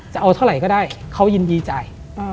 จะเอาเท่าไหร่ก็ได้เขายินดีจ่าย